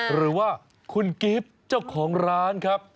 หรือว่าคุณกิฟต์เจ้าของร้านครับ